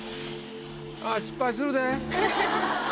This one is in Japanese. あぁ失敗するで！